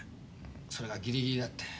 それがギリギリだって。